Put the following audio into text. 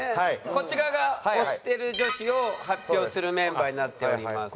こっち側が推してる女子を発表するメンバーになっておりますが。